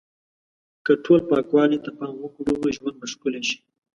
که ټول پاکوالی ته پام وکړو، ژوند به ښکلی شي.